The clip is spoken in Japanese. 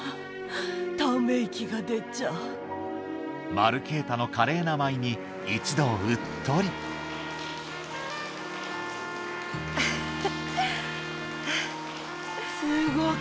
マルケータの華麗な舞に一同うっとりウフフ。